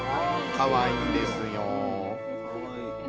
かわいいんですよ。